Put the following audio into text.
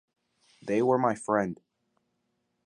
They were my friend.